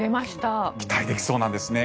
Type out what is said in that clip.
期待できそうなんですね。